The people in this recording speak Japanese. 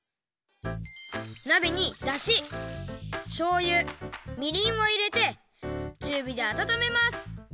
なべにだししょうゆみりんをいれてちゅうびであたためます。